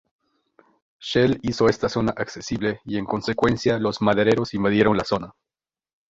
Shell hizo esta zona accesible y en consecuencia los madereros invadieron la zona.